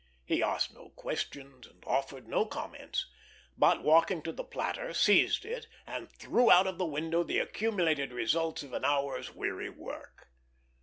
He asked no questions and offered no comments, but, walking to the platter, seized it and threw out of the window the accumulated results of an hour's weary work.